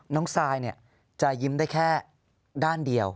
ทรายจะยิ้มได้แค่ด้านเดียว